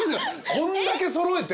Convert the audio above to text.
こんだけ揃えて？